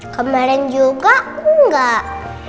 kemarin juga enggak